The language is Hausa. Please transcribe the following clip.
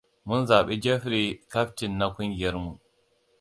Mun zabi Jeffrey kyaftin na kungiyarmu.